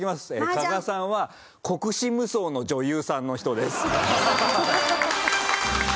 加賀さんは国士無双の女優さんの人です。